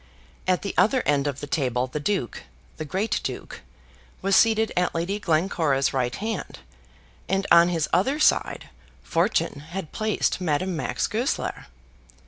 At the other end of the table the Duke, the great Duke, was seated at Lady Glencora's right hand, and on his other side Fortune had placed Madame Max Goesler.